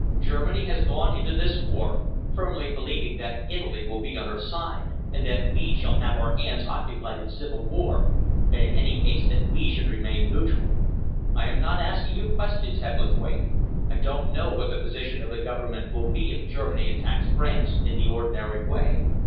"Germany has gone into this war, firmly believing that Italy will be on her side, and that we shall have our hands occupied in civil war, and in any case that we should remain neutral. I am not asking you questions, Hebblethwaite. I don't know what the position of the Government will be if Germany attacks France in the ordinary way.